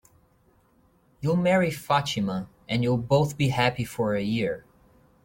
You'll marry Fatima, and you'll both be happy for a year.